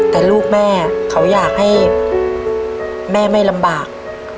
แต่ลูกแม่เขาอยากให้แม่ไม่ลำบาก